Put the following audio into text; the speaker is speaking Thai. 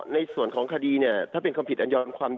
ในส่วนของคดีเนี่ยถ้าเป็นความผิดอันยอมความ